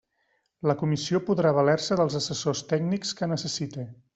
La Comissió podrà valer-se dels assessors tècnics que necessite.